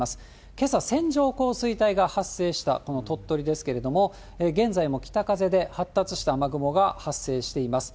けさ、線状降水帯が発生したこの鳥取ですけれども、現在も北風で発達した雨雲が発生しています。